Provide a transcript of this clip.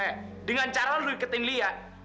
eh dengan cara lu diketiin lia